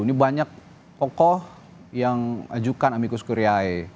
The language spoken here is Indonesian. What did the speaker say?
ini banyak pokok yang ajukan amicus curiae